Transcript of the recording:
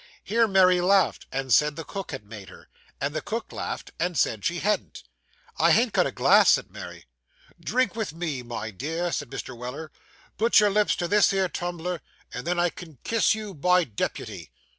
Here Mary laughed, and said the cook had made her; and the cook laughed, and said she hadn't. 'I ha'n't got a glass,' said Mary. 'Drink with me, my dear,' said Mr. Weller. 'Put your lips to this here tumbler, and then I can kiss you by deputy.